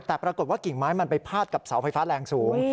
แต่ปรากฏว่ากิ่งไม้มันไปพาดกับเสาไฟฟ้าแรงสูง